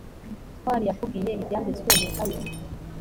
ntwali yakubwiye ibyanditswe mu ikaye